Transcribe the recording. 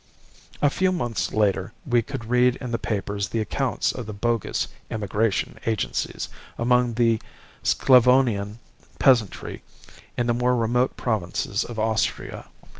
"A few months later we could read in the papers the accounts of the bogus 'Emigration Agencies' among the Sclavonian peasantry in the more remote provinces of Austria.